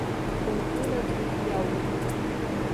Campinas do Piauí